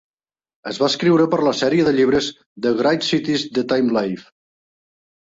Es va escriure per a la sèrie de llibres "The Great Cities" de Time-Life.